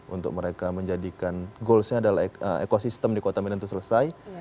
untuk mereka menjadikan goalsnya adalah ekosistem di kota medan itu selesai